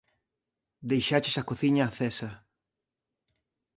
Deixaches a cociña acesa.